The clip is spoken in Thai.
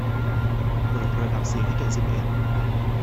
เปิดระดับเสียงให้ถึงสิบเอ็ด